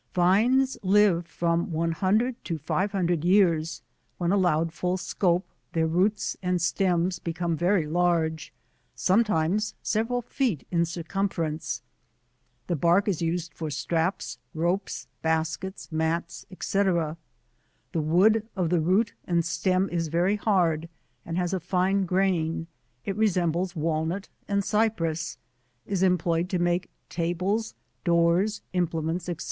Vines live from 100 to 500 years, when allowed full scope, their roots and steins become very large, some times several feet in circumference. The bark is used for straps, ropes, baskets, mats, &c. The wood of the root and stem is very hard, and has a fine grain ,• it re sembles VS^alnut and Cypress, is employed to make ta bles, doors, implements, &c.